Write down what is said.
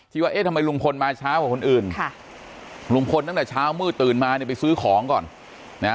ว่าเอ๊ะทำไมลุงพลมาช้ากว่าคนอื่นค่ะลุงพลตั้งแต่เช้ามืดตื่นมาเนี่ยไปซื้อของก่อนนะ